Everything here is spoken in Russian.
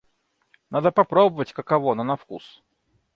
Надо попробовать, каково оно на вкус.